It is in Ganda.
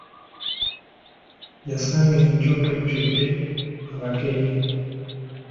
Yasanga enju ng’ejjudde abagenyi.